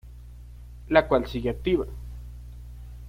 La cual sigue activa.